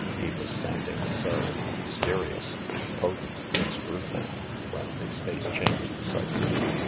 He was standing so, mysterious, potent, inscrut able, when his face changed suddenly.